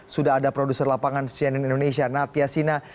sudah ada produser lapangan cnn indonesia natia sina